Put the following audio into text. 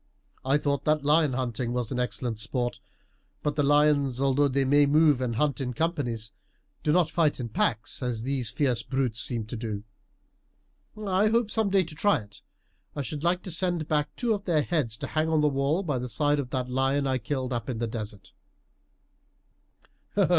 "I thought lion hunting was an exciting sport but the lions, although they may move and hunt in companies, do not fight in packs, as these fierce brutes seem to do. I hope some day to try it. I should like to send back two of their heads to hang on the wall by the side of that of the lion I killed up in the desert."